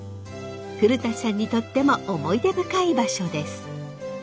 古さんにとっても思い出深い場所です。